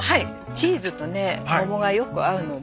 チーズとね桃がよく合うので。